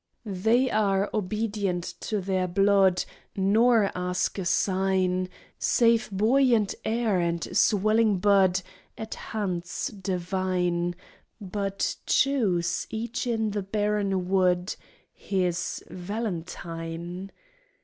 They are obedient to their blood, Nor ask a sign, Save buoyant air and swelling bud, At hands divine, But choose, each in the barren wood, His valentine.